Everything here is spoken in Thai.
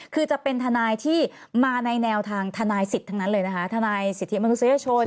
คือจะเป็นทนายที่มาในแนวทางทนายสิทธิ์ทั้งนั้นเลยนะคะทนายสิทธิมนุษยชน